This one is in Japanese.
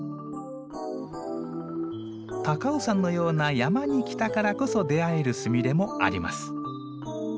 高尾山のような山に来たからこそ出会えるスミレもあります。